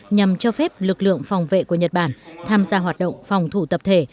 nhằm cho phép lực lượng phòng vệ của nhật bản tham gia hoạt động phòng thủ tập thể